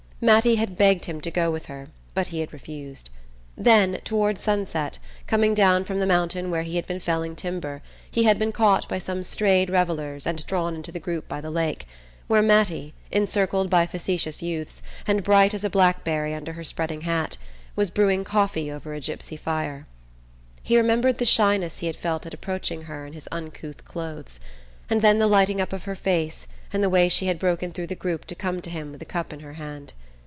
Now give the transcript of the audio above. Mattie had begged him to go with her but he had refused. Then, toward sunset, coming down from the mountain where he had been felling timber, he had been caught by some strayed revellers and drawn into the group by the lake, where Mattie, encircled by facetious youths, and bright as a blackberry under her spreading hat, was brewing coffee over a gipsy fire. He remembered the shyness he had felt at approaching her in his uncouth clothes, and then the lighting up of her face, and the way she had broken through the group to come to him with a cup in her hand.